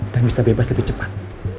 dan bisa bebas lebih cepat